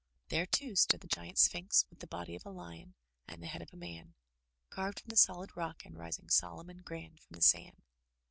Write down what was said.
There, too, stood the giant Sphinx with the body of a lion and the head of a man, carved from the solid rock and rising solemn and grand from the sand.